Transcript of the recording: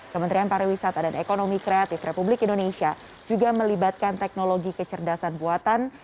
kementerian pariwisata dan ekonomi kreatif republik indonesia juga melibatkan teknologi kecerdasan buatan